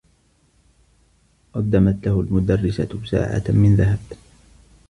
قدمت له المدرسة ساعة من ذهب.